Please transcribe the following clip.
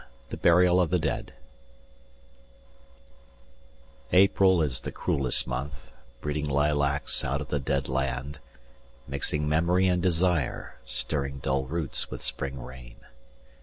THE BURIAL OF THE DEAD APRIL is the cruellest month, breeding Lilacs out of the dead land, mixing Memory and desire, stirring Dull roots with spring rain.